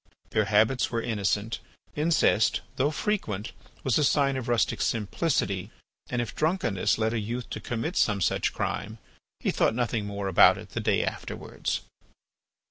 Their habits were innocent. Incest, though frequent, was a sign of rustic simplicity and if drunkenness led a youth to commit some such crime he thought nothing more about it the day afterwards.